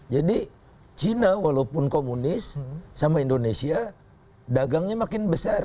jadi china walaupun komunis sama indonesia dagangnya makin besar